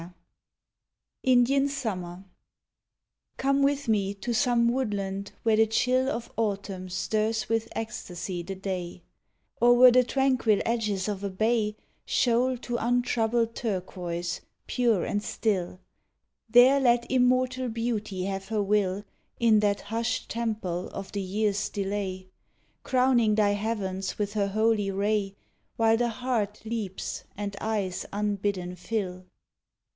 21 INDIAN SUMMER Come with me to some woodland where the chill Of autumn stirs with ecstasy the day, Or where the tranquil edges of a bay Shoal to untroubled turquoise, pure and still; There let immortal Beauty have her will In that hushed temple of the year s delay, Crowning thy heavens with her holy ray, While the heart leaps and eyes unbidden fill.